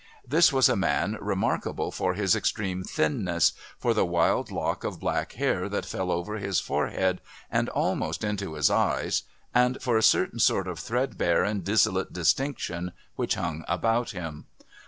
This was a man remarkable for his extreme thinness, for the wild lock of black hair that fell over his forehead and almost into his eyes, and for a certain sort of threadbare and dissolute distinction which hung about him.